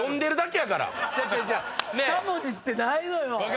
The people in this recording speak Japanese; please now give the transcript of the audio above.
２文字ってないのよ。